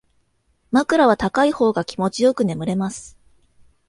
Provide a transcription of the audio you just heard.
枕は高い方が気持ちよく眠れます